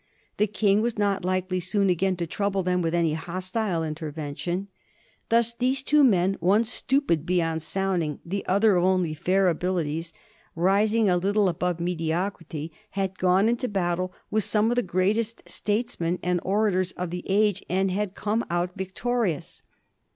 The King was not likely soon again to trouble them with any hostile intervention. Thus these two men, one stupid beyond sounding, the other of only fair abilities, rising a little above mediocrity, had gone into battle with some of the greatest statesmen and orators of the age, and had come out victorious.